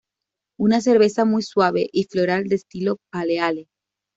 Una cerveza muy suave y floral de estilo Pale Ale.